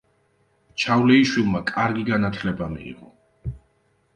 ჩავლეიშვილმა კარგი განათლება მიიღო.